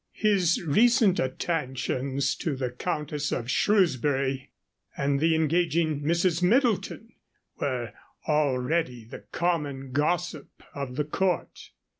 His recent attentions to the Countess of Shrewsbury and the engaging Mrs. Middleton were already the common gossip of the court.